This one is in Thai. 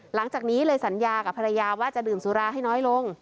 หลังจากนี้เลยสัญญากับภรรยาว่าจะดื่มสุราให้น้อยลง